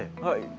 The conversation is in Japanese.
はい。